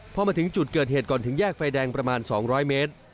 พอมาถึงจุดเกิดเหตุก่อนถึงแยกไฟแดงประมาณ๒๐๐เมตร